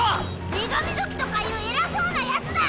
女神族とかいう偉そうなヤツだ！